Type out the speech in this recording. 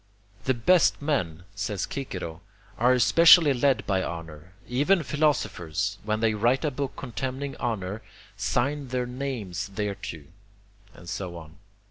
"The best men," says Cicero, "are especially led by honour. Even philosophers, when they write a book contemning honour, sign their names thereto," and so on.